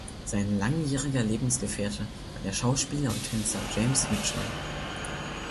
Sein langjähriger Lebensgefährte war der Schauspieler und Tänzer James Mitchell.